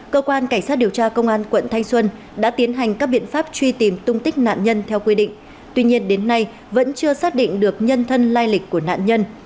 cơ quan cảnh sát điều tra công an quận thanh xuân đã tiến hành các biện pháp truy tìm tung tích nạn nhân theo quy định tuy nhiên đến nay vẫn chưa xác định được nhân thân lai lịch của nạn nhân